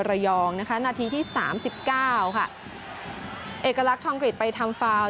ระยองนะคะนาทีที่สามสิบเก้าค่ะเอกลักษณ์ทองกฤษไปทำฟาว